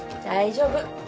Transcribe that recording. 大丈夫。